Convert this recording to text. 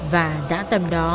và giã tầm đó